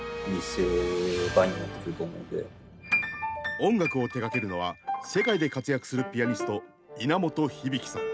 音楽を手がけるのは世界で活躍するピアニスト稲本響さん。